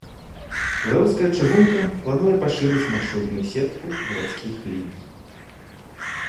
Беларуская чыгунка плануе пашырыць маршрутную сетку гарадскіх ліній.